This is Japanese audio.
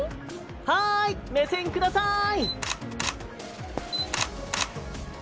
はい目線ください。